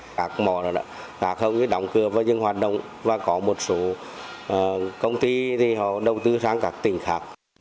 các mỏ đã không đọng cửa và những hoạt động và có một số công ty thì họ đầu tư sang các tỉnh khác